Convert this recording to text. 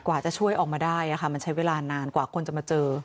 กว่าจะช่วยออกมาได้มันใช้เวลานานกว่าคนจะมาเจอ